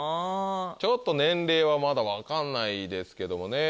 ちょっと年齢はまだ分かんないですけどもね。